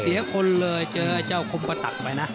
เสียคนเลยเจอเจ้าคมประตักไปนะ